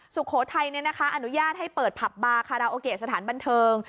สุโขทัยอนุญาตให้เปิดผับบาคาราโอเกะสถานบันเทิง